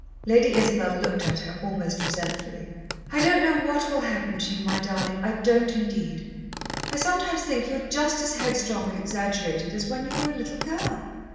Lady Isabel looked at her almost resentfully. "I don't know what will happen to you, my darling, I don't indeed. I sometimes think you are just as headstrong and exaggerated as when you were a little girl.